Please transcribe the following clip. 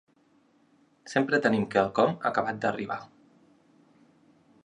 Sempre tenim quelcom acabat d'arribar.